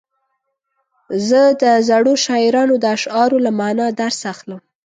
زه د زړو شاعرانو د اشعارو له معنا درس اخلم.